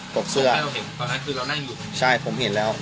ตกเสื้อใช่ผมเห็นแล้ว